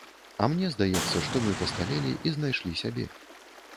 А мне здаецца, што мы пасталелі і знайшлі сябе.